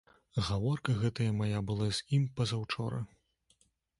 Гаворка гэтая мая была з ім пазаўчора.